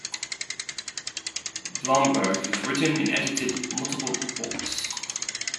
Blomberg has written and edited multiple books.